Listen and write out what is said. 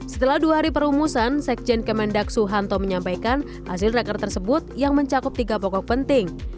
setelah dua hari perumusan sekjen kemendak suhanto menyampaikan hasil raker tersebut yang mencakup tiga pokok penting